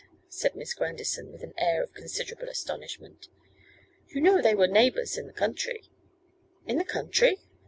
said Miss Grandison, with an air of considerable astonishment. 'You know they were neighbours in the country.' 'In the country!